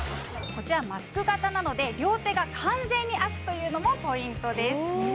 こちらマスク型なので両手が完全に空くというのもポイントです